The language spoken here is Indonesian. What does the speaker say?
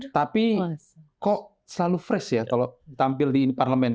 tapi kok selalu fresh ya kalau ditampil di parlemen